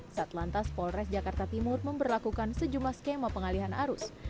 satlantas polres jakarta timur memperlakukan sejumlah skema pengalihan arus